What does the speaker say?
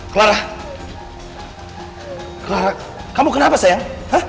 clara kamu kenapa sayang